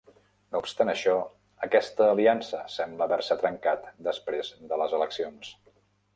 No obstant això, aquesta aliança sembla haver-se trencat després de les eleccions.